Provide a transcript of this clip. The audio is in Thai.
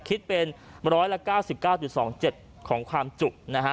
คิดเป็นร้อยละเก้าสิบเก้าจุดสองเจ็ดของความจุนะฮะ